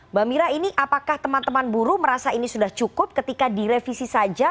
mbak mira ini apakah teman teman buruh merasa ini sudah cukup ketika direvisi saja